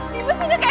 dimas udah kembali